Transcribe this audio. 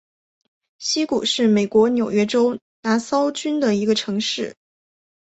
谷溪是美国纽约州拿骚郡的一个城市。